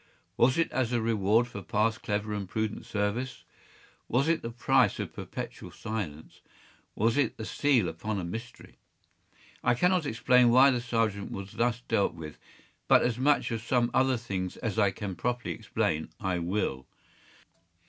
Was it as a reward for past clever and prudent service? Was it the price of perpetual silence? Was it the seal upon a mystery? I cannot explain why the sergeant was thus dealt with; but as much of some other things as I can properly explain, I will.